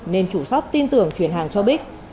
nên chủ shop tin tưởng chuyển hàng cho bích